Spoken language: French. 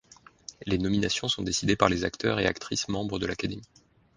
Les nominations sont décidées par les acteurs et actrices membres de l’académie.